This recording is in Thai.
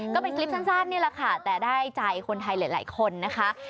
ก็เป็นคลิปสั้นนี่แหละค่ะแต่ได้ใจคนไทยหลายคนนะคะ